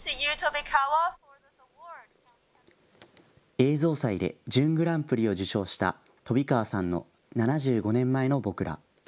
映像祭で準グランプリを受賞した飛川さんの７５年前の僕ら。